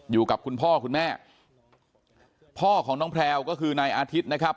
อยู่กับคุณพ่อคุณแม่พ่อของน้องแพลวก็คือนายอาทิตย์นะครับ